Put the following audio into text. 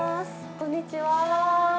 こんにちは。